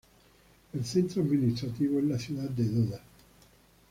El centro administrativo es la ciudad de Doda.